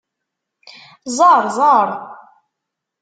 Ẓeṛ ẓeṛ!